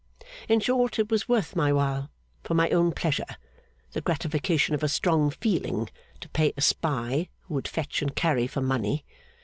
In short, it was worth my while, for my own pleasure the gratification of a strong feeling to pay a spy who would fetch and carry for money.